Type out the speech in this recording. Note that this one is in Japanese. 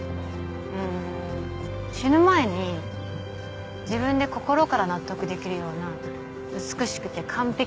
うん死ぬ前に自分で心から納得できるような美しくて完璧な食器が作りたい。